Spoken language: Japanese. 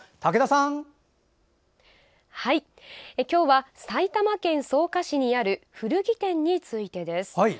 今日は埼玉県草加市にある古着店についてです。